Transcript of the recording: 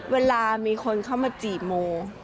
เวลามีคนเข้ามาจีบโม